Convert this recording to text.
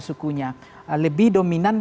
sukunya lebih dominan